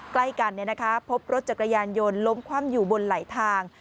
ใกล้กันพบรถจักรยานยนต์ล้มคว่ำอยู่บนไหลทาง